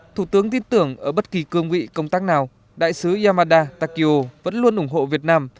thủ tướng tin tưởng ở bất kỳ cương vị công tác nào đại sứ yamada takio vẫn luôn ủng hộ việt nam